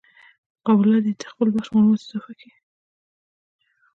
قابله دي د خپل بخش معلومات اضافه کي.